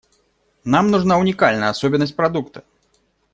Нам нужна уникальная особенность продукта.